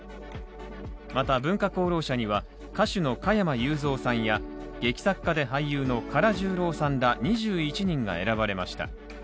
また文化功労者には歌手の加山雄三さんや、劇作家で俳優の唐十郎さんら２１人が選ばれました。